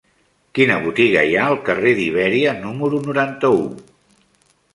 Quina botiga hi ha al carrer d'Ibèria número noranta-u?